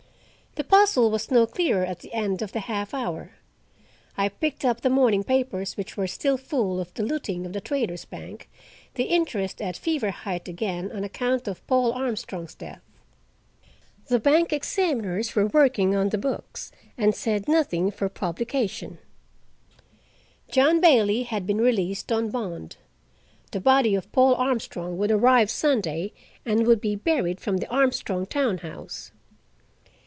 The puzzle was no clearer at the end of the half hour. I picked up the morning papers, which were still full of the looting of the Traders' Bank, the interest at fever height again, on account of Paul Armstrong's death. The bank examiners were working on the books, and said nothing for publication: John Bailey had been released on bond. The body of Paul Armstrong would arrive Sunday and would be buried from the Armstrong town house.